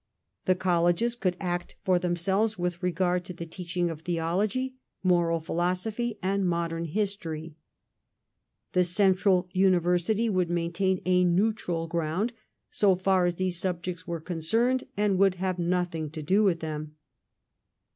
The colleges could act for themselves with regard to the teach ing of theology, moral philosophy, and modern history. The central university would maintain a neutral ground so far as these subjects were con cerned, and would have nothing to do with them.